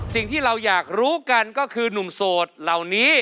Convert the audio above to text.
สิ่งที่เราอยากรู้กันก็คือหนุ่มโสดเหล่านี้